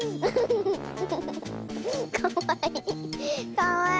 かわいい！